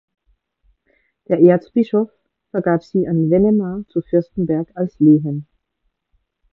Der Erzbischof vergab sie an Wennemar zu Fürstenberg als Lehen.